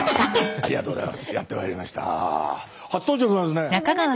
ありがとうございます。